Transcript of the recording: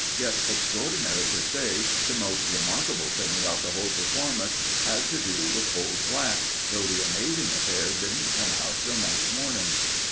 Yet, extraordinary to say, the most remarkable thing about the whole performance had to do with old Black, though the amazing affair didn't come out till next morning.